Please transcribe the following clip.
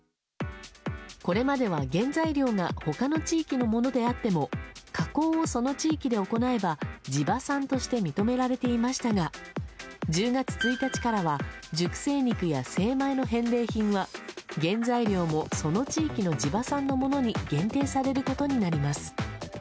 これまでは原材料が他の地域のものであっても加工をその地域で行えば地場産として認められていましたが１０月１日からは熟成肉や精米の返礼品は原材料もその地域の地場産のものに限定されることになります。